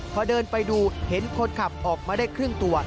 พอเดินไปดูเห็นคนขับออกมาได้ครึ่งตัว